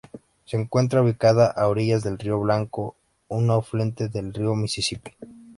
Se encuentra ubicada a orillas del río Blanco, un afluente del río Misisipi.